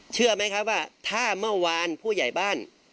เชื่อไหมครับว่าถ้าเมื่อวานผู้ใหญ่บ้าน